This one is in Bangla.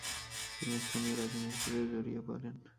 তিনি স্থানীয় রাজনীতিতে জরিয়ে পরেন।